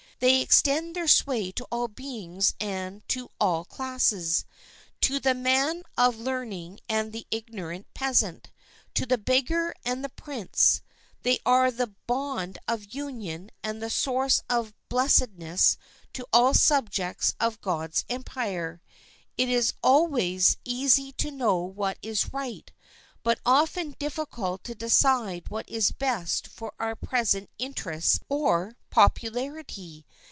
They extend their sway to all beings and to all classes, to the man of learning and the ignorant peasant, to the beggar and the prince; they are the bond of union and the source of blessedness to all subjects of God's empire. It is always easy to know what is right, but often difficult to decide what is best for our present interests or popularity.